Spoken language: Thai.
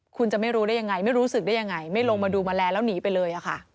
คุณจะไม่รู้ได้ยังไงไม่รู้สึกได้ยังไงไม่ลงมาดูแมลงแล้วหนีไปเลย